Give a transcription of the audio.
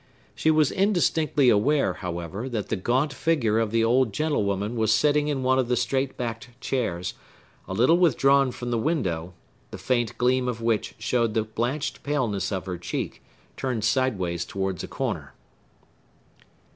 She was indistinctly aware, however, that the gaunt figure of the old gentlewoman was sitting in one of the straight backed chairs, a little withdrawn from the window, the faint gleam of which showed the blanched paleness of her cheek, turned sideways towards a corner.